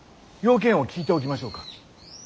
用件を聞いておきましょうか。